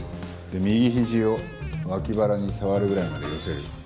で右ひじを脇腹に触るぐらいまで寄せる。